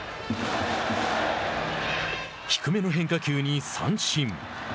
低めの変化球に三振。